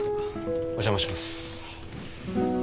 お邪魔します。